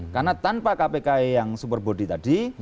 karena tanpa kpk yang super body tadi